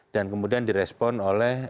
dan kemudian direspon oleh